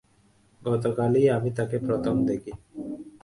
গতকালই আমি তাঁকে প্রথম দেখি।